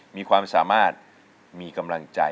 มีความสามารถมีกำลังใจ